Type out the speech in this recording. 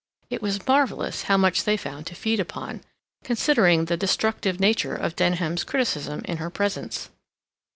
It was marvellous how much they found to feed upon, considering the destructive nature of Denham's criticism in her presence.